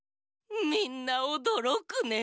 みんなおどろくね。